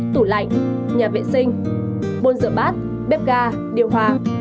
tủ lạnh nhà vệ sinh bồn rửa bát bếp ga điều hòa